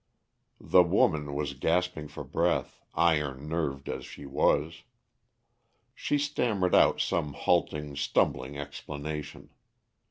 The woman was gasping for breath, iron nerved as she was. She stammered out some halting, stumbling explanation.